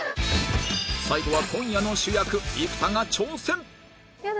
最後は今夜の主役生田が挑戦ヤダ！